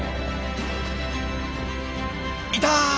いた！